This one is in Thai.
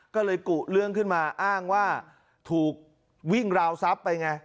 ก็เลยกุเรื่องขึ้นมาอ้างว่าถูกวิ่งราวทรัพย์ไปไง